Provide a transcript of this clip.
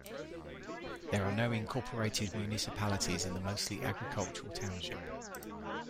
There are no incorporated municipalities in the mostly agricultural township.